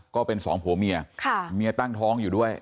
ก็เป็นสองผัวเมียเมียตั้งท้องอยู่ด้วย